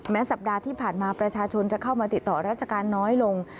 สัปดาห์ที่ผ่านมาประชาชนจะเข้ามาติดต่อราชการน้อยลง